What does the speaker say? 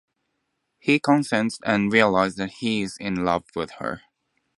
He consents and realizes that he is in love with her.